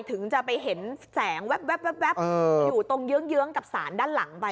ถึงจะไปเห็นแสงแว๊บอยู่ตรงเยื้องกับสารด้านหลังไป